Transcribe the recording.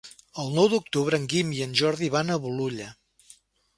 El nou d'octubre en Guim i en Jordi van a Bolulla.